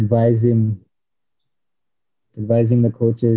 dia mengadvise mengadvise pemain